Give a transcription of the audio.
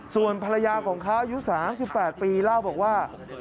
ส่วนภรรยาของเขาอายุ๓๘ปีเล่าบอกว่า